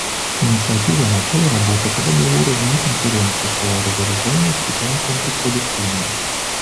Инициативы о начале работы по договору вне Конференции по разоружению считаем контрпродуктивными.